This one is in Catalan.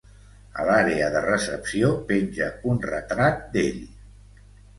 A l'àrea de recepció penja un retrat d'ell.